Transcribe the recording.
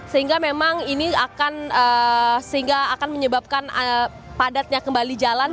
sehingga memang ini akan sehingga akan menyebabkan padatnya kembali jalan